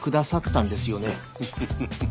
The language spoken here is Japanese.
フフフフフ。